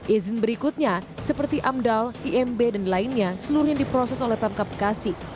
izin berikutnya seperti amdal imb dan lainnya seluruhnya diproses oleh pemkap bekasi